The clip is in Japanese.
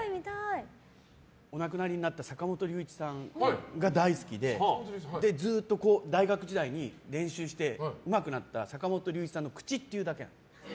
お亡くなりになった坂本龍一さんが大好きでずっと大学時代に練習してうまくなった坂本龍一さんの口ってだけ。